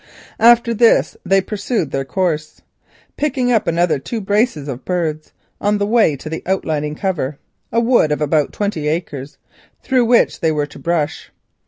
After this they pursued their course, picking up another two brace of birds on the way to the outlying cover, a wood of about twenty acres through which they were to brush.